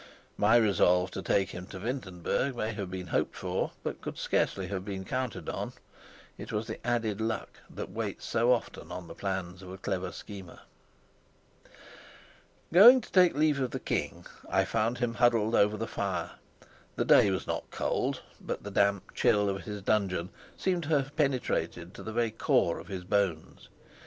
My resolve to take him to Wintenberg may have been hoped for, but could scarcely have been counted on; it was the added luck that waits so often on the plans of a clever schemer. Going to take leave of the king, I found him huddled over the fire. The day was not cold, but the damp chill of his dungeon seemed to have penetrated to the very core of his bones.